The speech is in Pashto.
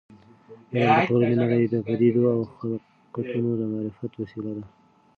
علم د ټولې نړۍ د پدیدو او خلقتونو د معرفت وسیله ده.